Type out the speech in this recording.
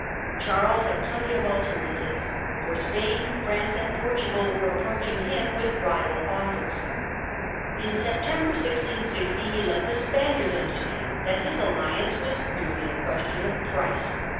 Charles had plenty of alternatives, for Spain, France, And to and Portugal were approaching him with rival Spain. offers. In September 1660 he let the Span iards understand that his alliance was merely a question of price.